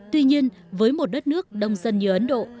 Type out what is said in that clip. tuy nhiên với một đất nước đông dân nhiều